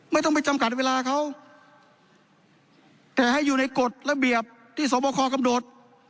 ไม่ต้องไปจำกัดเวลาเขาแต่ให้อยู่ในกฎระเบียบที่สวบคอกำหนด